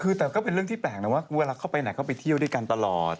คือแต่ก็เป็นเรื่องที่แปลกนะว่าเวลาเข้าไปไหนเข้าไปเที่ยวด้วยกันตลอด